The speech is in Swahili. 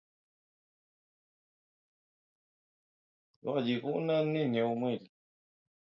Mshahiri yule anakipaji kizuri sana